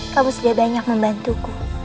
kamu sudah banyak membantuku